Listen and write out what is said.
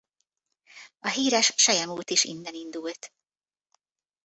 A híres selyemút is innen indult.